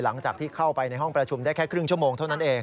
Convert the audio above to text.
หลังจากที่เข้าไปในห้องประชุมได้แค่ครึ่งชั่วโมงเท่านั้นเอง